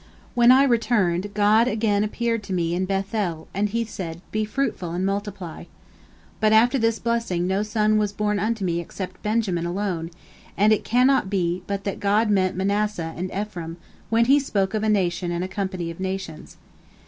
When I returned, God again appeared unto me in Beth el, and He said, Be fruitful and multiply. But after this blessing no son was born unto me except Benjamin alone, and it cannot be but that God meant Manasseh and Ephraim when He spoke of 'a nation and a company of nations.'